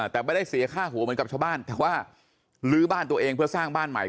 แต่ไม่ได้เสียค่าหัวเหมือนกับชาวบ้านแต่ว่าลื้อบ้านตัวเองเพื่อสร้างบ้านใหม่